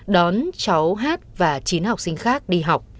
đón cháu hát và chín học sinh khác đi học